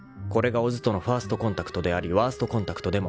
［これが小津とのファーストコンタクトでありワーストコンタクトでもあった］